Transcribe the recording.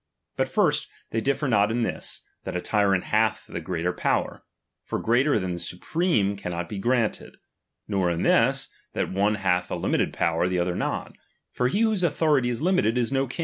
But first, they differ not in this, that a tyrant hath the greater power ; for greater than the supreme cannot be granted ; nor in this, that oue hath a hmited power, the other not ; for he whose authority is limited, is no king, but bis sub ject that limits him.